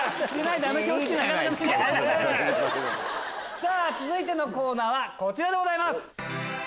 さぁ続いてのコーナーはこちらでございます。